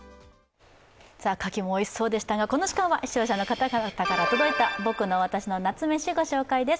かきもおいしそうでしたがこの時間は視聴者の方々から届いた「ぼくのわたしの夏メシ」ご紹介です。